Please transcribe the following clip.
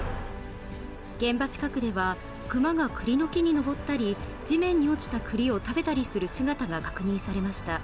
現場近くでは、熊がくりの木に登ったり、地面に落ちたくりを食べたりする姿が確認されました。